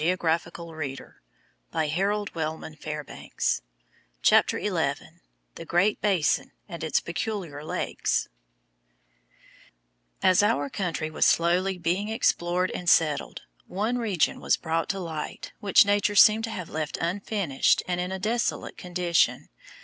41. ASTORIA, OREGON At the mouth of the Columbia River] THE GREAT BASIN AND ITS PECULIAR LAKES As our country was slowly being explored and settled, one region was brought to light which Nature seemed to have left unfinished and in a desolate condition.